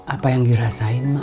apa yang dirasain mak